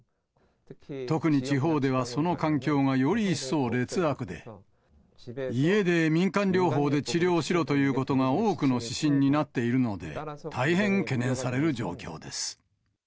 特に地方ではその環境がより一層劣悪で、家で民間療法で治療しろということが多くの指針になっているので、大変懸念される状況です。